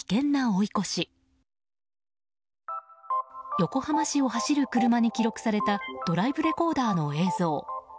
横浜市を走る車に記録されたドライブレコーダーの映像。